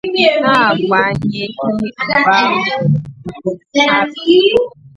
na-agbanyèghị mbà maọbụ obodo ha bì.